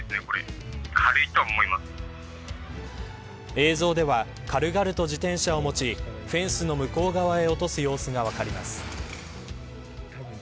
映像では軽々と自転車を持ちフェンスの向こう側へ落とす様子が分かります。